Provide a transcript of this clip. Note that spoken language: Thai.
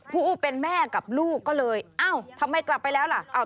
ผู้เป็นแม่กับลูกก็เลยเอ้าทำไมกลับไปแล้วล่ะ